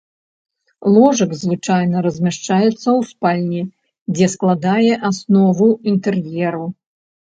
Ложак звычайна размяшчаецца ў спальні, дзе складае аснову інтэр'еру.